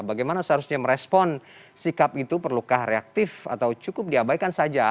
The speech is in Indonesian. bagaimana seharusnya merespon sikap itu perlukah reaktif atau cukup diabaikan saja